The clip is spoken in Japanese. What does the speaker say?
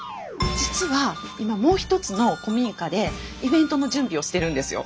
実は今もう一つの古民家でイベントの準備をしてるんですよ。